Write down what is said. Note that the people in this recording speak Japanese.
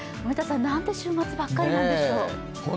なんで週末ばっかりなんでしょう。